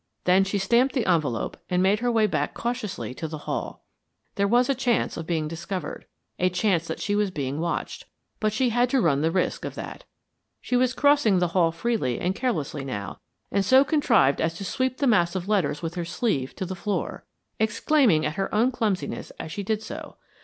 Then she stamped the envelope and made her way back cautiously to the hall. There was a chance of being discovered, a chance that she was being watched, but she had to run the risk of that. She was crossing the hall freely and carelessly now, and so contrived as to sweep the mass of letters with her sleeve to the floor, exclaiming at her own clumsiness as she did so.